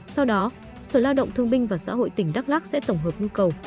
sau đó sở lao động thương binh và xã hội tỉnh đắk lắc sẽ tổng hợp nhu cầu